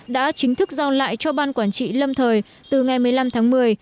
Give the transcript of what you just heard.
đã chính thức giao lại cho ban quản trị lâm thời từ ngày một mươi năm tháng một mươi